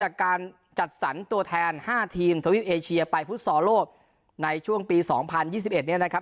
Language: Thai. การจัดสรรตัวแทน๕ทีมทวีปเอเชียไปฟุตซอลโลกในช่วงปี๒๐๒๑เนี่ยนะครับ